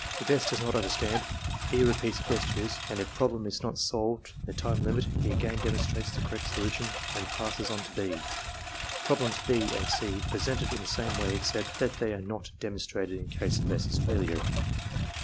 If S. does not understand, E. repeats gestures; and if problem is not solved in the time limit he again demonstrates the correct solution and passes on to (6). Problems (6) and (c) are pre sented in the same way except that they are not demonstrated in case of S.'s failure.